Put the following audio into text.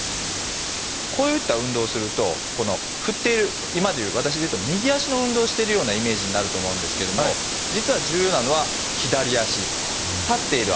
こういった運動をするとこの振っている今でいう私でいうと右足の運動をしてるようなイメージになると思うんですけれども実は重要なのは左足立っている足になります。